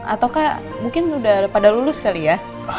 ataukah mungkin sudah pada lulus kali ya